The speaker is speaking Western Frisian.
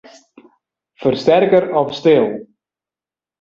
Fersterker op stil.